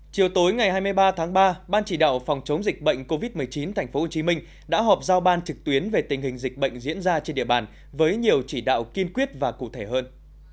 chiều tối ngày hai mươi ba tháng ba ban chỉ đạo phòng chống dịch bệnh covid một mươi chín tp hcm đã họp giao ban trực tuyến về tình hình dịch bệnh diễn ra trên địa bàn với nhiều chỉ đạo kiên quyết và cụ thể hơn